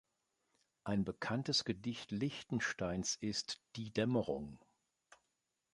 Ein bekanntes Gedicht Lichtensteins ist "Die Dämmerung".